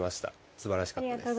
すばらしかったです。